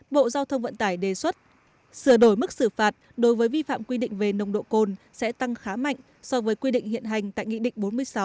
bộ giao thông vận tải đề xuất sửa đổi mức xử phạt đối với vi phạm quy định về nồng độ cồn sẽ tăng khá mạnh so với quy định hiện hành tại nghị định bốn mươi sáu